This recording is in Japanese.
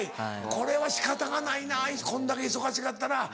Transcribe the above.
これは仕方がないなこんだけ忙しかったら。